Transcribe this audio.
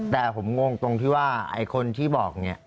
แต่ผมงงตรงที่ว่าไอ้คนที่บอกเนี่ย